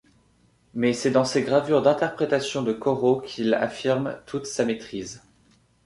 Mais c'est dans ses gravures d'interprétation de Corot qu'il affirme toute sa maîtrise.